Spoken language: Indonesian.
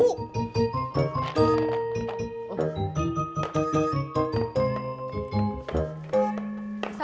saya juga tau